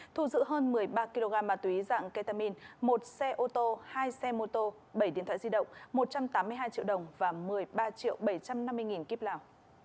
thu giữ hơn một mươi ba kg ma túy dạng ketamin một xe ô tô hai xe mô tô bảy điện thoại di động một trăm tám mươi hai triệu đồng và một mươi ba triệu bảy trăm năm mươi nghìn kíp lào